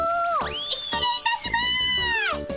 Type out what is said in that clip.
失礼いたします！